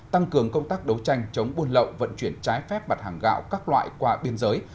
tăng cường công tác đấu tranh chống buôn lậu vận chuyển trái phép mặt hàng gạo các loại qua biên giới